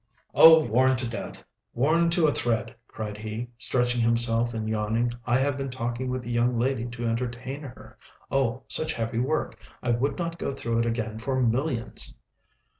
"Oh, worn to death! worn to a thread!" cried he, stretching himself and yawning; "I have been talking with a young lady to entertain her! oh, such heavy work! I would not go through it again for millions!"